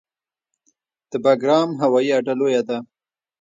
د بګرام هوایي اډه لویه ده